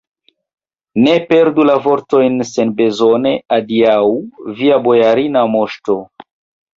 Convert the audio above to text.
Ne perdu la vortojn senbezone, adiaŭ, via bojarina moŝto!